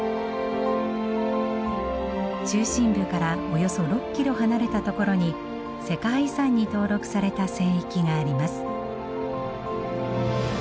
中心部からおよそ６キロ離れた所に世界遺産に登録された聖域があります。